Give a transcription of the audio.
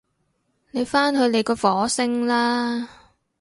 你返去你個火星啦